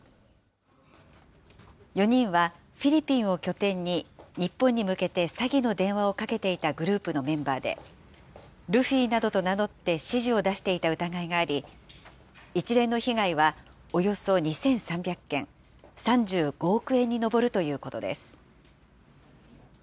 ４人はフィリピンを拠点に、日本に向けて詐欺の電話をかけていたグループのメンバーで、ルフィなどと名乗って指示を出していた疑いがあり、一連の被害はおよそ２３００件、３５億円に上るということです。